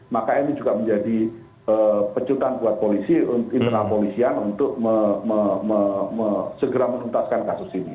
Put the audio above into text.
maka ini juga menjadi pecutan buat polisi internal polisian untuk segera menuntaskan kasus ini